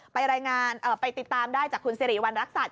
ไปรายงานไปติดตามได้จากคุณศิริวันภาครัมศาสตร์